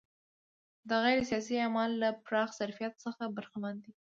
دا غیر سیاسي اعمال له پراخ ظرفیت څخه برخمن دي.